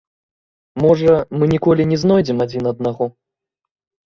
Можа, мы ніколі не знойдзем адзін аднаго.